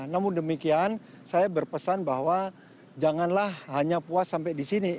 namun demikian saya berpesan bahwa janganlah hanya puas sampai di sini